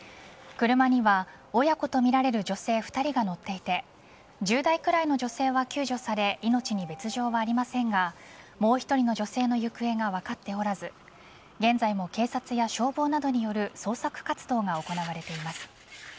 車には親子とみられる女性２人が乗っていて１０代くらいの女性は救助され命に別状はありませんがもう１人の女性の行方が分かっておらず現在も警察や消防などによる捜索活動が行われています。